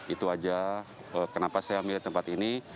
itu aja kenapa saya memilih tempat ini